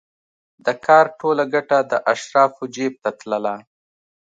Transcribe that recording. د کار ټوله ګټه د اشرافو جېب ته تلله.